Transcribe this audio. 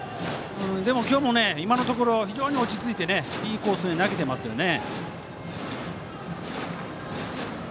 今日も今のところ非常に落ち着いていいコースに投げていますね。